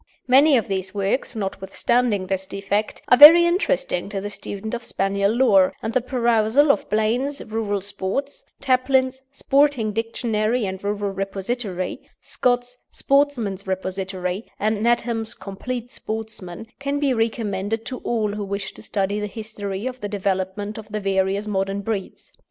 Many of these works, notwithstanding this defect, are very interesting to the student of Spaniel lore, and the perusal of Blaine's Rural Sports, Taplin's Sporting Dictionary and Rural Repository, Scott's Sportsman's Repository, and Needham's Complete Sportsman, can be recommended to all who wish to study the history of the development of the various modern breeds.